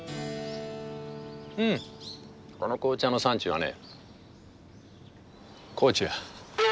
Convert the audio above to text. うんこの紅茶の産地はね高知や！